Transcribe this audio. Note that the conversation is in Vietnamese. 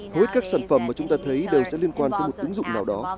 hối các sản phẩm mà chúng ta thấy đều sẽ liên quan tới một ứng dụng nào đó